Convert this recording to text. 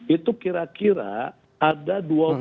itu kira kira ada dua puluh